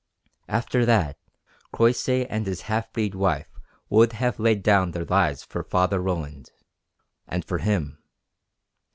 After that Croisset and his half breed wife would have laid down their lives for Father Roland and for him.